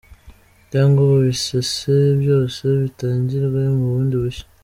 Cyangwa babisese byose bitangirwe bundi bushya.